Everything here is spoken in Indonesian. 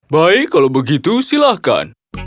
baik kalau begitu silahkan